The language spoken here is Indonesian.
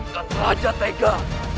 dan raja tega